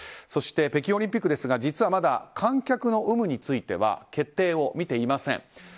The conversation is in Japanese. そして、北京オリンピックですが実はまだ観客の有無については決定を見ていません。